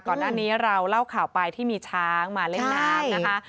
ก่อนหน้านี้เราเล่าข่าวไปที่มีช้างมาเล่นน้ำนะคะ